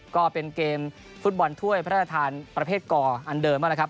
ก็เป็นเกมฟุตบอลถ้วยพระราชทานประเภทก่ออันเดิมนั่นแหละครับ